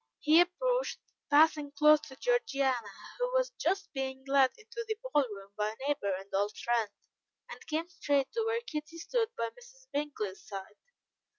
He approached, passing close to Georgiana, who was just being led into the ball room by a neighbour and old friend, and came straight to where Kitty stood by Mrs. Bingley's side.